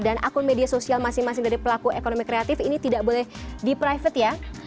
dan akun media sosial masing masing dari pelaku ekonomi kreatif ini tidak boleh di private ya